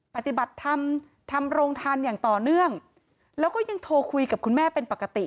ปฏิบัติธรรมทำโรงทานอย่างต่อเนื่องแล้วก็ยังโทรคุยกับคุณแม่เป็นปกติ